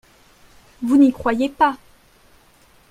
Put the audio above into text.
Vous n’y croyez pas